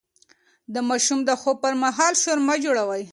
د ماشوم د خوب پر مهال شور مه جوړوئ.